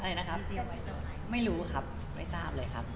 อะไรนะครับไม่รู้ครับไม่ทราบเลยครับ